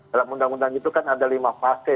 dalam undang undang itu kan ada lima fase